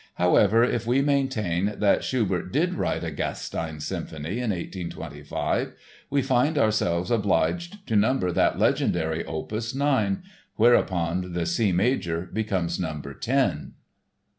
However, if we maintain that Schubert did write a Gastein Symphony in 1825, we find ourselves obliged to number that legendary opus Nine, whereupon the C major becomes Number Ten!